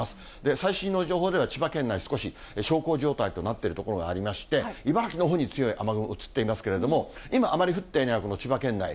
最新の情報では千葉県内、少し小康状態となっている所がありまして、茨城のほうに強い雨雲移っていますけれども、今、あまり降っていない千葉県内。